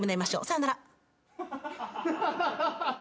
さよなら。